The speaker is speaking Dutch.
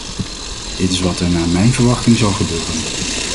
Dit is wat er naar mijn verwachting zal gebeuren.